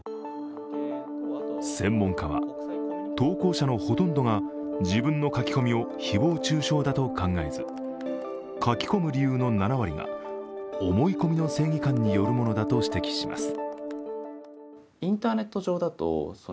専門家は、投稿者のほとんどが自分の書き込みを誹謗中傷だと考えず書き込む理由の７割が思い込みの正義感によるものだと指摘します。